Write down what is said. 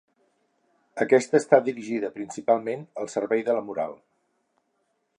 Aquesta està dirigida principalment al servei de la moral.